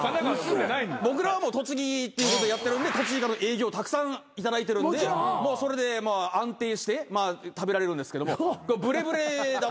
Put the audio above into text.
僕らはもう栃木っていうことでやってるんで栃木から営業たくさん頂いてるんでもうそれで安定して食べられるんですけどもブレブレだと。